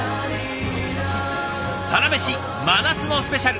「サラメシ真夏のスペシャル！」。